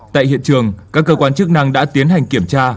tại hiện trường các cơ quan chức năng đã tiến hành kiểm tra